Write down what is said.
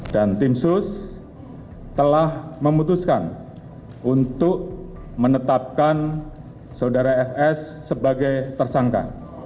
dan tim sus telah memutuskan untuk menetapkan saudara fs sebagai tersangka